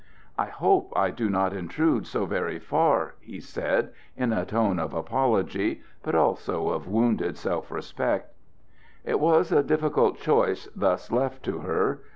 "I hope I do not intrude so very far," he said, in a tone of apology, but also of wounded self respect. It was a difficult choice thus left to her.